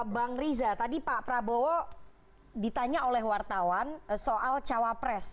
bang riza tadi pak prabowo ditanya oleh wartawan soal cawapres